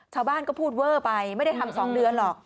ชาวบ้านก็พูดเวอร์ไปไม่ได้ทำ๒เดือนหรอก